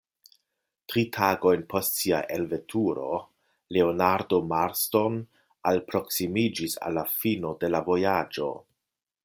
Tri tagojn post sia elveturo Leonardo Marston alproksimiĝis al la fino de la vojaĝo.